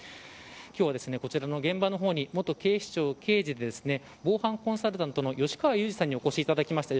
今日は、こちらの現場の方に元警視庁、刑事で防犯コンサルタントの吉川祐二さんにお越しいただきました。